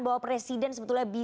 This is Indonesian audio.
bagaimana menurut pak giri